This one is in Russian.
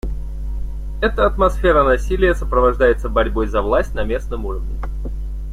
Эта атмосфера насилия сопровождается борьбой за власть на местном уровне.